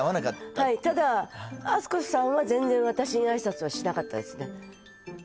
はいただ温子さんは全然私に挨拶はしなかったですね